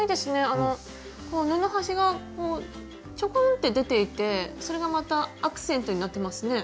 あの布端がちょこんって出ていてそれがまたアクセントになってますね。